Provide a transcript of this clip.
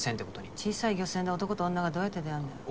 小さい漁船で男と女がどうやって出会うんだよ。